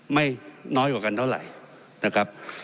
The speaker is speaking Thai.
ไม่น้อยกว่ากันเท่าไหร่นะครับ